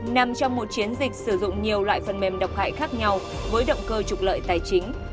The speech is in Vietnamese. nằm trong một chiến dịch sử dụng nhiều loại phần mềm độc hại khác nhau với động cơ trục lợi tài chính